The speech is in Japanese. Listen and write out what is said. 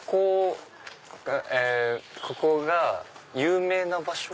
ここが有名な場所？